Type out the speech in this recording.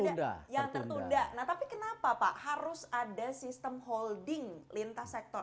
tidak yang tertunda nah tapi kenapa pak harus ada sistem holding lintas sektor